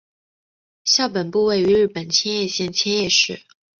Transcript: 校本部位于日本千叶县千叶市。